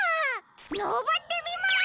のぼってみます！